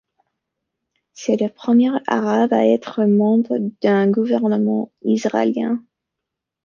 C'est le premier Arabe à être membre d'un gouvernement israélien.